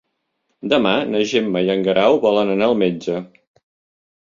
Demà na Gemma i en Guerau volen anar al metge.